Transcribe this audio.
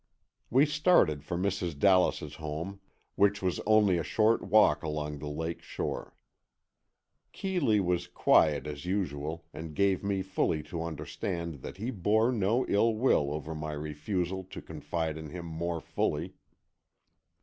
We started for Mrs. Dallas's home, which was only a short walk along the lake shore. Keeley was quiet as usual, and gave me fully to understand that he bore no ill will over my refusal to confide in him more fully.